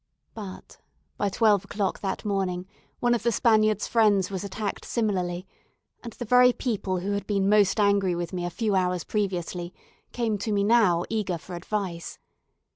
But by twelve o'clock that morning one of the Spaniard's friends was attacked similarly, and the very people who had been most angry with me a few hours previously, came to me now eager for advice.